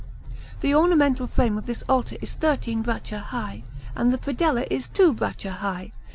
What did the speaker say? The ornamental frame of this altar is thirteen braccia high, and the predella is two braccia high.